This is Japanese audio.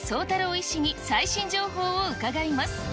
医師に最新情報を伺います。